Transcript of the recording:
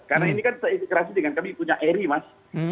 karena ini kan terintegrasi dengan kami punya eri mas